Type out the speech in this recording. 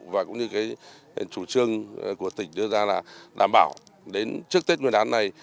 và cũng như cái chủ trương của tỉnh đưa ra là đảm bảo đến trước tết nguyên đán này